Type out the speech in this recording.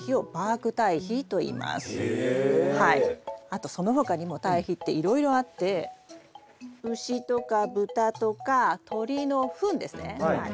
あとその他にも堆肥っていろいろあって牛とか豚とか鶏のふんですね。はい。